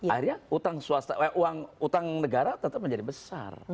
akhirnya utang negara tetap menjadi besar